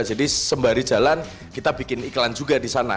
jadi sembari jalan kita bikin iklan juga di sana